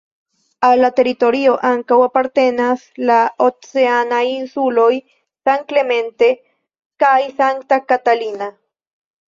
Al la teritorio ankaŭ apartenas la oceanaj insuloj "San Clemente" kaj "Santa Catalina".